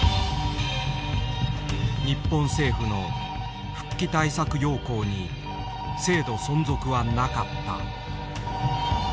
日本政府の復帰対策要綱に制度存続はなかった。